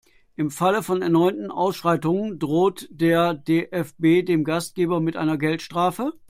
Im Falle von erneuten Ausschreitungen droht der DFB dem Gastgeber mit einer Geldstrafe.